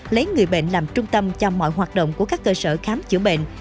lấy người bệnh làm trung tâm cho mọi hoạt động của các cơ sở khám chữa bệnh